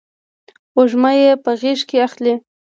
وږمه یې په غیږ کې اخلې